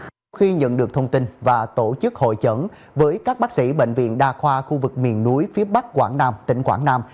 sau khi nhận được thông tin và tổ chức hội chẩn với các bác sĩ bệnh viện đa khoa khu vực miền núi phía bắc quảng nam tỉnh quảng nam